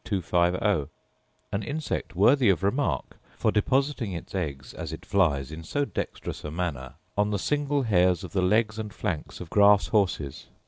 250: an insect worthy of remark for depositing its eggs as it flies in so dexterous a manner on the single hairs of the legs and flanks of grass horses.